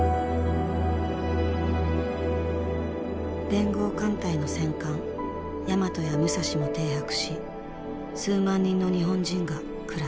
連合艦隊の戦艦大和や武蔵も停泊し数万人の日本人が暮らしていた。